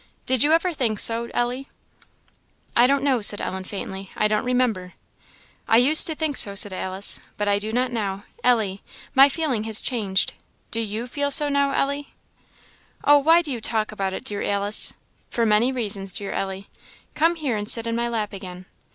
Did you ever think so, Ellie?" "I don't know," said Ellen, faintly "I don't remember." "I used to think so," said Alice, "but I do not now, Ellie; my feeling has changed. Do you feel so now, Ellie?" "Oh, why do you talk about it, dear Alice?" "For many reasons, dear Ellie. Come here and sit in my lap again."